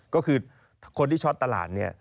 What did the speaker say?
ก็คือคนที่ช็อตตลาดเนี่ย